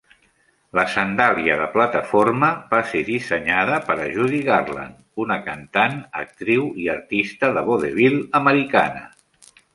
La sandàlia de plataforma va ser dissenyada per a Judy Garland, una cantant, actriu i artista de vodevil americana.